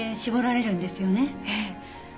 ええ。